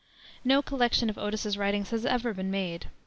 No collection of Otis's writings has ever been made.